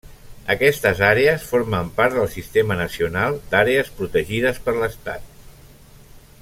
Aquestes àrees formen part del Sistema Nacional d'Àrees Protegides per l'Estat.